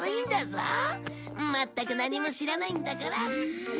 まったく何も知らないんだから。